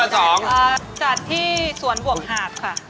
จัดที่สวนบวกหาดค่ะ